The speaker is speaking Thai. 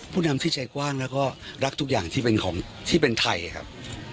นำที่ใจกว้างแล้วก็รักทุกอย่างที่เป็นของที่เป็นไทยครับ